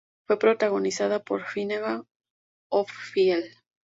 Fue protagonizada por Finnegan Oldfield.